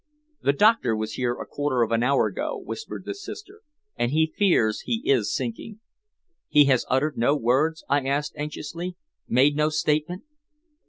"The doctor was here a quarter of an hour ago," whispered the sister. "And he fears he is sinking." "He has uttered no words?" I asked anxiously. "Made no statement?"